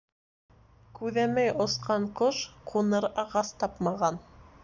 Күҙәмәй осҡан ҡош ҡуныр ағас тапмаған.